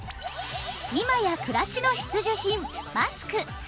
今や暮らしの必需品マスク。